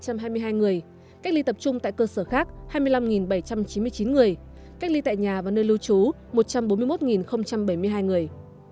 cách ly tập trung tại cơ sở khác hai mươi năm bảy trăm chín mươi chín người cách ly tại nhà và nơi lưu trú một trăm bốn mươi một bảy mươi hai người